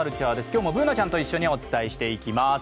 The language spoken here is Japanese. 今日もＢｏｏｎａちゃんと一緒にお伝えしていきます。